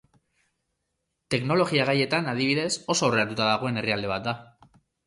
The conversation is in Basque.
Teknologia gaietan, adibidez, oso aurreratuta dagoen herrialde bat da.